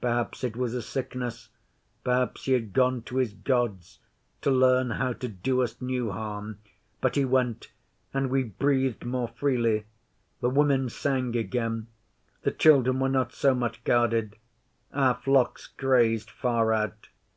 Perhaps it was a sickness; perhaps he had gone to his Gods to learn how to do us new harm. But he went, and we breathed more freely. The women sang again; the children were not so much guarded; our flocks grazed far out.